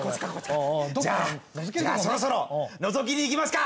じゃあそろそろのぞきにいきますか。